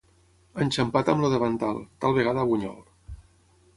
Enxampat amb el davantal, tal vegada a Bunyol.